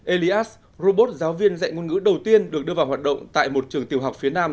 elias robot giáo viên dạy ngôn ngữ đầu tiên được đưa vào hoạt động tại một trường tiểu học phía nam